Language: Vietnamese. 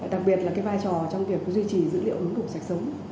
đặc biệt là cái vai trò trong việc duy trì dữ liệu ứng dụng sạch sống